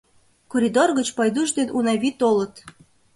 Коридор гыч Пайдуш ден Унави толыт.